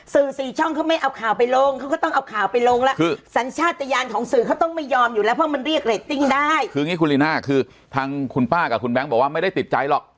สื่อสี่ช่องเขาไม่เอาข่าวไปลงเขาก็ต้องเอาข่าวไปลงแล้วคือสัญชาติยานของสื่อเขาต้องไม่ยอมอยู่แล้วเพราะมันเรียกเรตติ้งได้คืออย่างนี้คุณลีน่าคือทางคุณป้ากับคุณแบงค์บอกว่าไม่ได้ติดใจหรอก